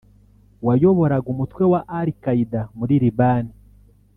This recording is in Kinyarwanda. wayoboraga umutwe wa al-Qaeda muri Liban